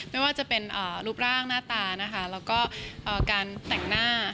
ไม่ว่าจะเป็นรูปร่างหน้าตานะคะแล้วก็การแต่งหน้า